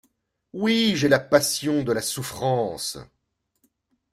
Oui, j’ai la passion de la souffrance!